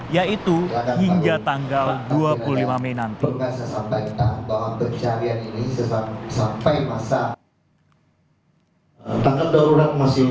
yaitu hingga tanggal dua puluh lima mei nanti